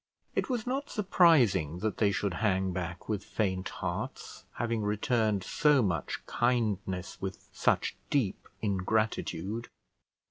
It was not surprising that they should hang back with faint hearts, having returned so much kindness with such deep ingratitude.